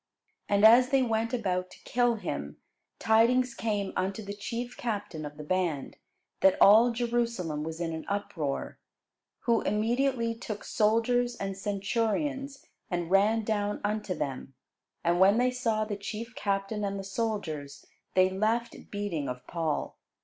And as they went about to kill him, tidings came unto the chief captain of the band, that all Jerusalem was in an uproar. Who immediately took soldiers and centurions, and ran down unto them: and when they saw the chief captain and the soldiers, they left beating of Paul.